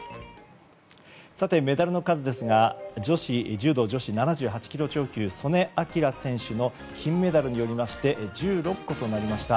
メダルの数ですが柔道女子７８ｋｇ超級素根輝選手の金メダルによって１６戸となりました。